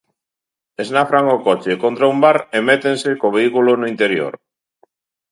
Esnafran o coche contra un bar e métense co vehículo no interior.